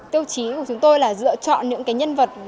tiêu chí của chúng tôi là lựa chọn những nhân vật